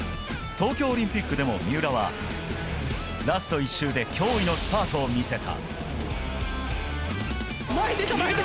東京オリンピックでも三浦はラスト１周で驚異のスパートを見せた。